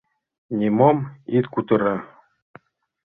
Нимом ит кутыро!»